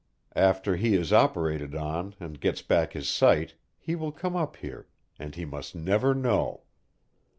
After he is operated on and gets back his sight, he will come up here and he must never know.